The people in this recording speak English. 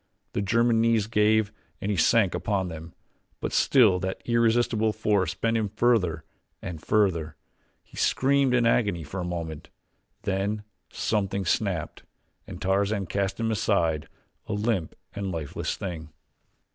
The German's knees gave and he sank upon them, but still that irresistible force bent him further and further. He screamed in agony for a moment then something snapped and Tarzan cast him aside, a limp and lifeless thing.